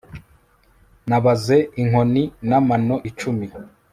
nabaze intoki n'amano icumi